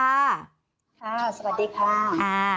ค่ะสวัสดีค่ะ